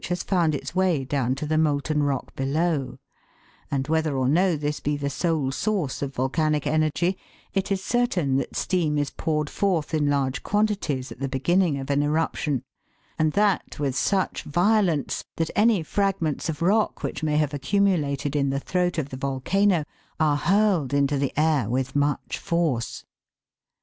has found its way down to the molten rock below ; and whether or no this be the sole source of volcanic energy, it is certain that steam is poured forth in large quantities at the beginning of an eruption, and that with such violence that any fragments of rock which may have accumulated in the throat of the volcano are hurled into the air with much force.